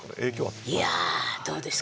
いやどうですかね。